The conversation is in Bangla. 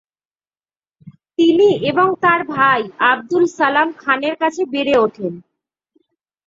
তিনি এবং তার ভাই, আবদুল সালাম খানের কাছে বেড়ে ওঠেন।